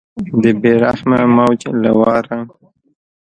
د بې رحمه موج له واره